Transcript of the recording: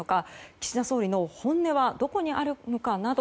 岸田総理の本音はどこにあるのかなど